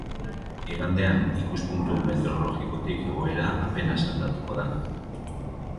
Igandean, ikuspuntu meteorologikotik egoera apenas aldatuko da.